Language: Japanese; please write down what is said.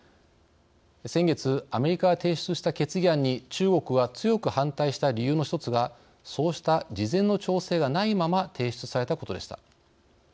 先月アメリカが提出した決議案に中国は強く反対した理由の１つがそうした事前の調整がないまま提出されたことでした。